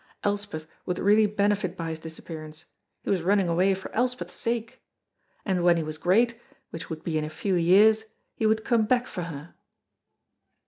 Elspeth would really benefit by his disappearance; he was running away for Elspeth's sake. And when he was great, which would be in a few years, he would come back for her.